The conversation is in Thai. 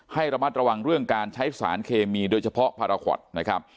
ให้ระมัดระวังเรื่องการใช้สารเคมีโดยเฉพาะพาราคอตนะครับ